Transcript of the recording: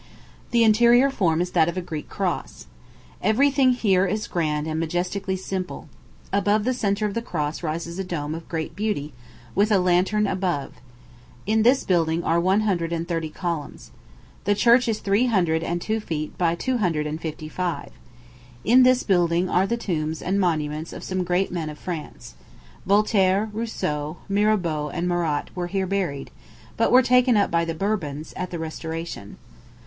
The interior form is that of a Greek cross. Every thing here is grand and majestically simple. Above the centre of the cross rises a dome of great beauty, with a lantern above. In this building are one hundred and thirty columns. The church is three hundred and two feet by two hundred and fifty five. In this building are the tombs and monuments of some of the great men of France. Voltaire, Rousseau, Mirabeau, and Marat were here buried, but were taken up by the Bourbons, at the restoration.